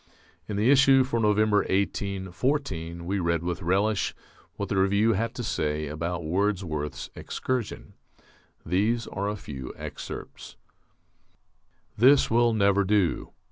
In the issue for November, 1814, we read with relish what the Review had to say about Wordsworth's "Excursion." These are a few excerpts: This will never do....